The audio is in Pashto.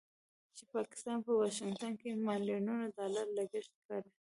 چې پاکستان په واشنګټن کې مليونونو ډالر لګښت کړی